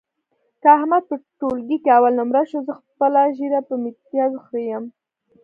که احمد په ټولګي کې اول نمره شو، زه خپله ږیره په میتیازو خرېیم.